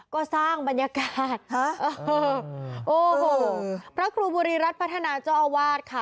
ก็สร้างบรรยากาศฮะโอ้โหพระครูบุรีรัฐพัฒนาเจ้าอาวาสค่ะ